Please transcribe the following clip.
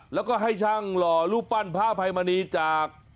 แล้วก็ให้ช่างหล่อรูปปั้นพระอภัยมณีจาก